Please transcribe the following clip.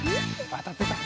あたってた。